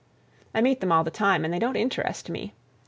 I meet them all the time and they don't interest me.